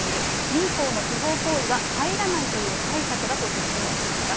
民法の不法行為は入らないという解釈だと説明しました。